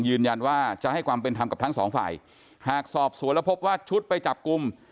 ยืนยันว่าจะให้ความเป็นธรรมกับทั้งสองฝ่ายหากสอบสวนแล้วพบว่าชุดไปจับกลุ่ม